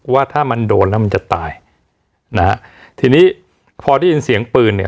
ว่าถ้ามันโดนแล้วมันจะตายนะฮะทีนี้พอได้ยินเสียงปืนเนี่ย